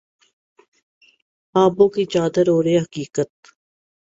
خوابوں کی چادر اوڑھے حقیقت